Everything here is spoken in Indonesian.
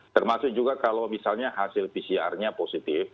termasuk juga kalau misalnya hasil pcrnya positif